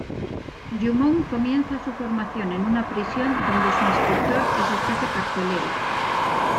Jumong comienza su formación en una prisión, donde su instructor es el jefe carcelero.